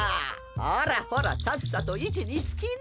ほらほらさっさと位置につきな！